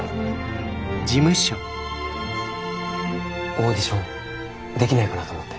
オーディションできないかなと思って。